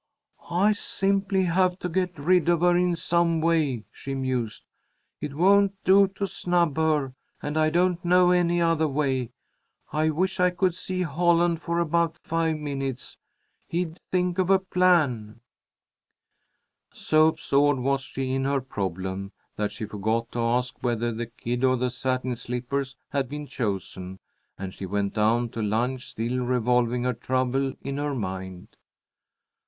"I simply have to get rid of her in some way," she mused. "It won't do to snub her, and I don't know any other way. I wish I could see Holland for about five minutes. He'd think of a plan." So absorbed was she in her problem that she forgot to ask whether the kid or the satin slippers had been chosen, and she went down to lunch still revolving her trouble in her mind.